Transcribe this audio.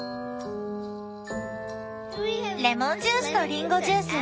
レモンジュースとリンゴジュース